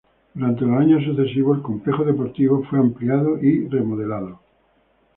Durante los años sucesivos el complejo deportivo fue ampliado y remodelado.